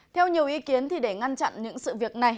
theo nhiều ý kiến để ngăn chặn những sự việc này